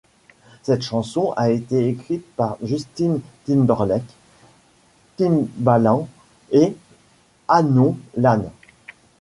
Cette chanson a été écrite par Justin Timberlake, Timbaland et Hannon Lane.